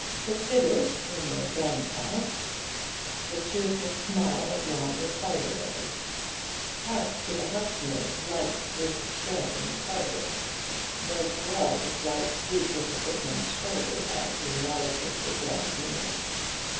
Consider, in your friend's house, the cheerful smile of yonder parlourmaid; hark to the housemaid's light brisk tread in the corridor; note well the slight droop of the footman's shoulders as he noiselessly draws near.